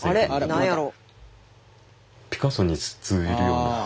何やろ？